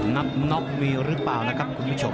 นับน็อกมีหรือเปล่านะครับคุณผู้ชม